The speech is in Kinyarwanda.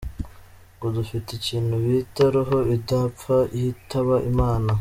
Ngo dufite ikintu bita Roho idapfa, yitaba imana.